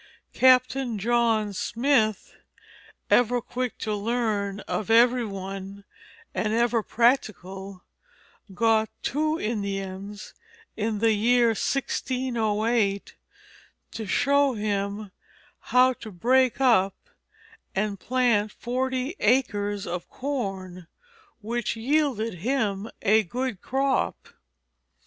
Captain John Smith, ever quick to learn of every one and ever practical, got two Indians, in the year 1608, to show him how to break up and plant forty acres of corn, which yielded him a good crop.